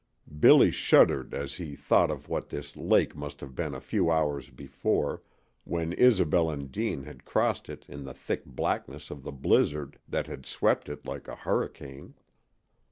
Billy shuddered as he thought of what this lake must have been a few hours before, when Isobel and Deane had crossed it in the thick blackness of the blizzard that had swept it like a hurricane.